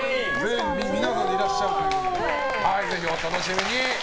皆さんでいらっしゃるということでぜひお楽しみに。